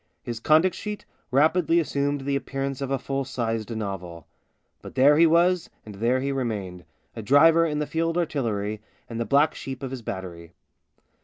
His conduct sheet rapidly assumed the appearance of a full sized novel ; but there he was and there he remained — a driver in the Field Artillery, and the black sheep of his battery.